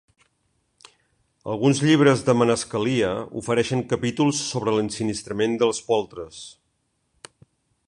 Alguns llibres de manescalia ofereixen capítols sobre l'ensinistrament dels poltres.